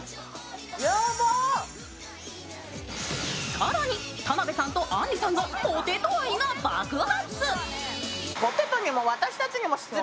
更に、田辺さんとあんりさんのポテト愛が爆発。